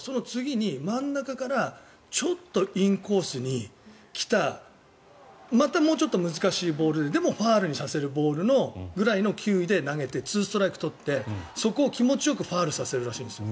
そうすると、次に真ん中からちょっとインコースに来たまたもうちょっと難しいボールでもファウルにさせるボールくらいの球威で投げて２ストライクを取ってそこを気持ちよくファウルさせるらしいんです。